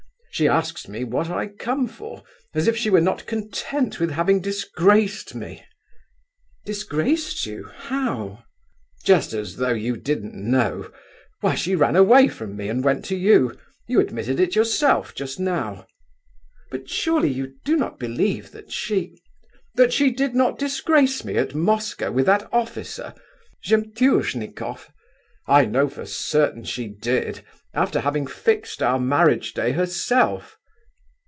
She asks me what I come for, as if she were not content with having disgraced me—" "Disgraced you! How?" "Just as though you didn't know! Why, she ran away from me, and went to you. You admitted it yourself, just now." "But surely you do not believe that she..." "That she did not disgrace me at Moscow with that officer, Zemtuznikoff? I know for certain she did, after having fixed our marriage day herself!"